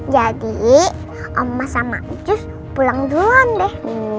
jadi oma sama mancus pulang duluan deh